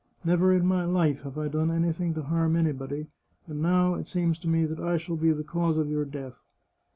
Never in my life have I done anything to harm anybody, and now it seems to me that I shall be the cause of your death.